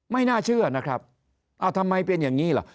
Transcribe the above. ไม่น่าเชื่อนะครับเอาทำไมเป็นอย่างนี้ล่ะ